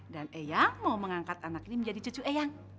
dan eyang mau mengangkat anak ini menjadi cucu eyang